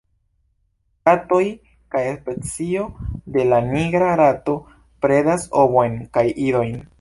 Katoj kaj la specio de la Nigra rato predas ovojn kaj idojn.